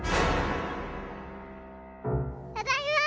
ただいま！